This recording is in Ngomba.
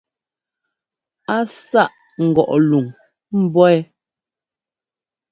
Á sâʼ ŋgɔʼ luŋ mbɔ̌ wɛ.